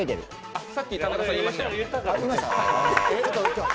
あ、さっき田中さん言いましたよ。